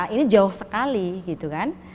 ini jauh sekali gitu kan